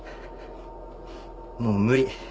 もう無理。